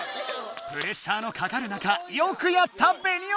プレッシャーのかかる中よくやったベニオ！